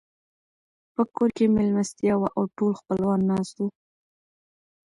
په کور کې مېلمستيا وه او ټول خپلوان ناست وو.